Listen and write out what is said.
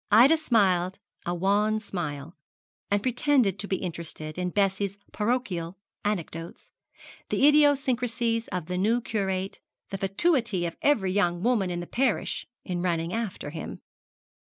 Ida smiled a wan smile, and pretended to be interested in Bessie's parochial anecdotes the idiosyncrasies of the new curate, the fatuity of every young woman in the parish in running after him.